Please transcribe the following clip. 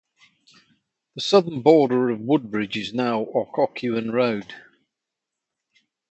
The southern border of Woodbridge is now Occoquan Road.